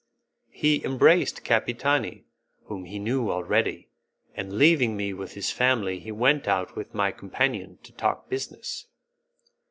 He embraced Capitani, whom he knew already, and leaving me with his family he went out with my companion to talk business.